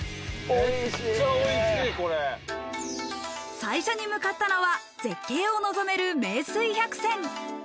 最初に向かったのは絶景を望める名水百選。